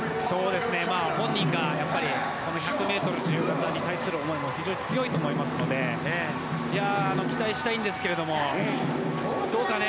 本人がこの１００ｍ自由形に対する思いも非常に強いと思いますので期待したいんですけどどうかね？